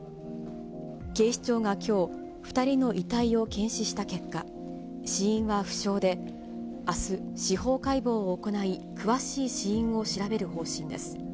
警視庁がきょう、２人の遺体を検視した結果、死因は不詳で、あす、司法解剖を行い、詳しい死因を調べる方針です。